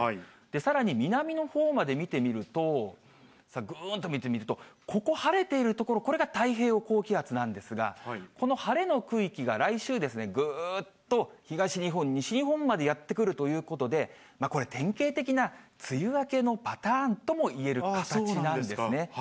さらに南のほうまで見てみると、さあ、ぐーんと見てみると、ここ晴れている所、これが太平洋高気圧なんですが、この晴れの区域が来週、ぐーっと東日本、西日本までやって来るということで、これ、典型的な梅雨明けのパターンともいえる形なんですね。